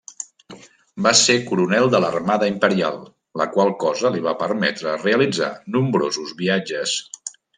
Va ser coronel de l'Armada Imperial, la qual cosa li va permetre realitzar nombrosos viatges.